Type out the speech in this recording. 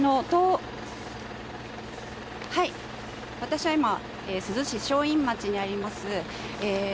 私は今、珠洲市正院町にあります